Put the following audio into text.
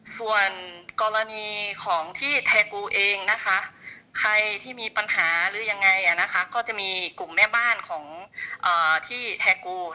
ส่วนกรณีของที่แทกูเองนะคะใครที่มีปัญหาหรือยังไงก็จะมีกลุ่มแม่บ้านของที่แทกู